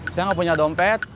saya nggak punya dompet